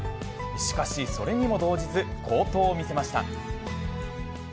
しかし、それにも動じず、好投を見せました。